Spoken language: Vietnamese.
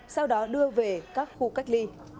sau đó đưa về các khu cách ly